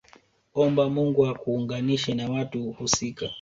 Omba Mungu akuunganishe na watu husika